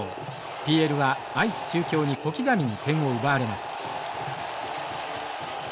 ＰＬは愛知中京に小刻みに点を奪われます。